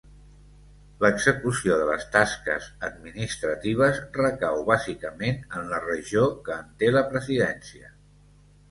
L’execució de les tasques administratives recau bàsicament en la regió que en té la presidència.